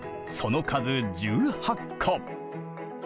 その数１８個。